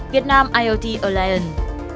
việt nam iot alliance